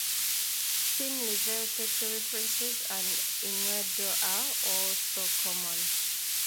Thinly veiled sexual references and innuendo are also common.